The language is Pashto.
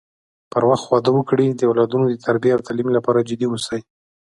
پر وخت واده وکړي د اولادونو د تربی او تعليم لپاره جدي اوسی